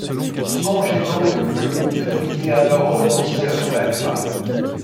Songez donc que vous devriez alors renoncer à vous-même